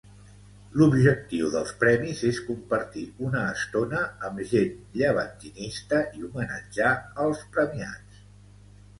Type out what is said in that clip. L'objectiu dels premis és compartir una estona amb gent llevantinista i homenatjar als premiats.